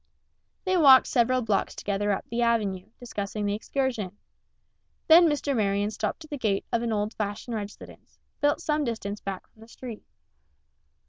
They walked several blocks together up the avenue, discussing the excursion. Then Mr. Marion stopped at the gate of an old fashioned residence, built some distance back from the street.